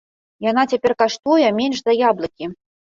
Яна цяпер каштуе менш за яблыкі!